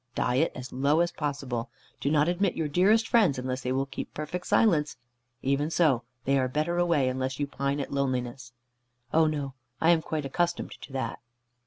Diet as low as possible. Do not admit your dearest friends, unless they will keep perfect silence. Even so, they are better away, unless you pine at loneliness." "Oh no. I am quite accustomed to that."